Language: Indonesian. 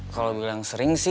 kalau bilang sering sih